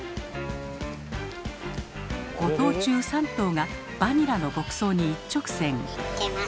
５頭中３頭が「バニラ」の牧草に一直線。